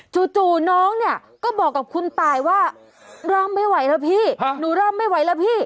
จู่น้องเนี่ยก็บอกกับคุณตายว่าร่ำไม่ไหวแล้วพี่หนูเริ่มไม่ไหวแล้วพี่